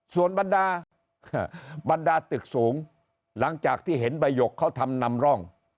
ส่วนบรรดาบรรดาตึกสูงหลังจากที่เห็นใบหยกเขาทำนำร่อง